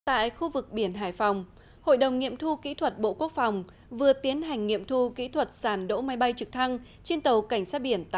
tại khu vực biển hải phòng hội đồng nghiệm thu kỹ thuật bộ quốc phòng vừa tiến hành nghiệm thu kỹ thuật sàn đỗ máy bay trực thăng trên tàu cảnh sát biển tám